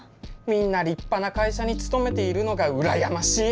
みんな立派な会社に勤めているのがうらやましい。